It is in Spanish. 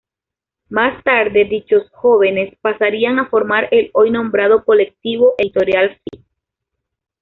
Más tarde dichos jóvenes pasarían a formar el hoy nombrado Colectivo Editorial Fi.